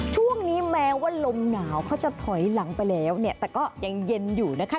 ช่วงนี้แม้ว่าลมหนาวเขาจะถอยหลังไปแล้วเนี่ยแต่ก็ยังเย็นอยู่นะคะ